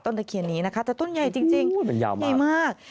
ตะเคียนนี้นะคะแต่ต้นใหญ่จริงใหญ่มาก